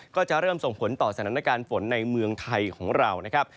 ก็จะเริ่มส่งผลต่อสถานการณ์ฝนในเมืองไทยของเรานะครับ